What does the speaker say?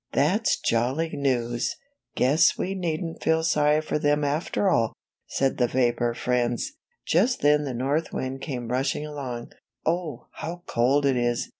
" ^^That's jolly news! Guess we needn't feel sorry for them after all," said the vapor friends. Just then the North Wind came rushing along. "Oh, how cold it is!"